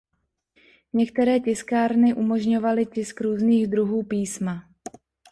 Některé tiskárny umožňovaly tisk různých druhů písma.